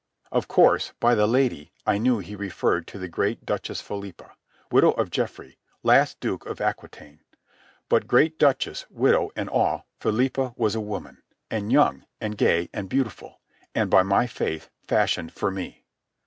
Of course, by the lady I knew he referred to the great Duchess Philippa, widow of Geoffrey, last Duke of Aquitaine. But great duchess, widow, and all, Philippa was a woman, and young, and gay, and beautiful, and, by my faith, fashioned for me.